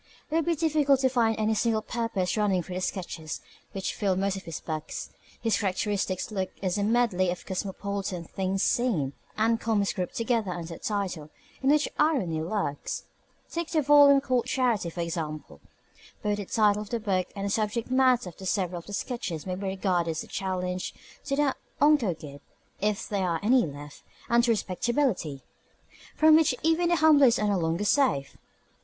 It would be difficult to find any single purpose running through the sketches which fill most of his books. His characteristic book is a medley of cosmopolitan "things seen" and comments grouped together under a title in which irony lurks. Take the volume called Charity, for example. Both the title of the book and the subject matter of several of the sketches may be regarded as a challenge to the unco' guid (if there are any left) and to respectability (from which even the humblest are no longer safe).